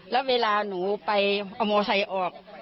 แล้วเวลาหนูไปเอามอไซค์ออก